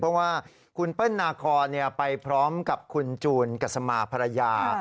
เพราะว่าคุณเปิ้ลนาคอนไปพร้อมกับคุณจูนกัสมาภรรยา